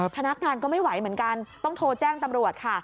พนักงานก็ไม่ไหวเหมือนกันต้องโทรแจ้งตำรวจค่ะ